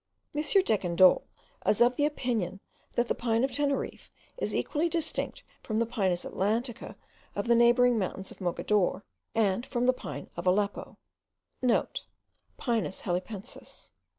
M. Decandolle is of opinion that the pine of Teneriffe is equally distinct from the Pinus atlantica of the neighbouring mountains of Mogador, and from the pine of Aleppo,* (* Pinus halepensis.